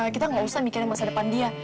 kita gak usah mikirin masa depan dia